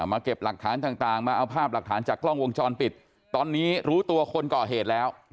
เก็บหลักฐานต่างมาเอาภาพหลักฐานจากกล้องวงจรปิดตอนนี้รู้ตัวคนก่อเหตุแล้ว